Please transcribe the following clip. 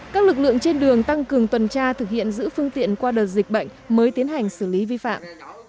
các lực lượng trên đường tăng cường tuần tra thực hiện giữ phương tiện qua đợt dịch bệnh mới tiến hành xử lý vi phạm